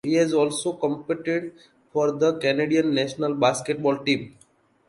He has also competed for the Canadian national basketball team.